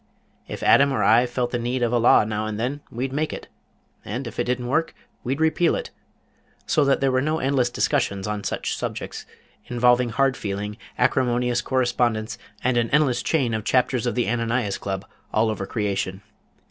If Adam or I felt the need of a law now and then, we'd make it, and if it didn't work, we'd repeal it, so that there were no endless discussions on such subjects, involving hard feeling, acrimonious correspondence, and an endless chain of Chapters of the Ananias Club all over creation.